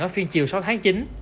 ở phiên chiều sáu tháng chín